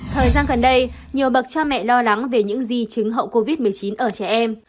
thời gian gần đây nhiều bậc cha mẹ lo lắng về những di chứng hậu covid một mươi chín ở trẻ em